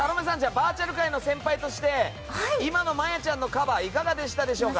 バーチャル界の先輩として今のまやちゃんのカバーはいかがでしたでしょうか。